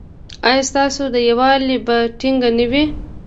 ایا ستاسو یووالي به ټینګ نه وي؟